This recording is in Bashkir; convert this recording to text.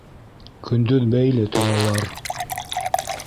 — Көндөҙ бәйле торалар.